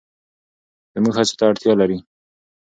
زموږ هڅو ته اړتیا لري.